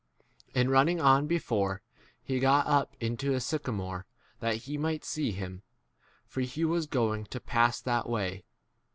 4 And running on before, he got up into a sycamore that he might see him, for he was going to pass 5 that x [way].